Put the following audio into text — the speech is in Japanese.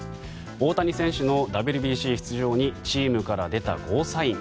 大谷選手のＷＢＣ出場にチームから出たゴーサイン。